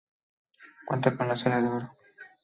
Cuenta con la sala de oro.